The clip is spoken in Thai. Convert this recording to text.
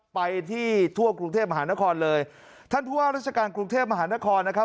ไปที่ทั่วกรุงเทพมหานครเลยท่านผู้ว่าราชการกรุงเทพมหานครนะครับ